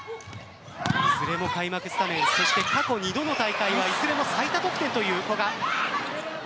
いずれも開幕スタメン過去２度の大会はいずれも最多得点という古賀。